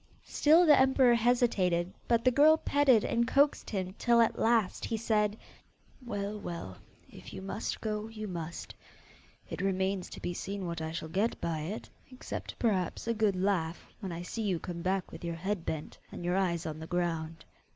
Still the emperor hesitated, but the girl petted and coaxed him till at last he said, 'Well, well, if you must go, you must. It remains to be seen what I shall get by it, except perhaps a good laugh when I see you come back with your head bent and your eyes on the ground.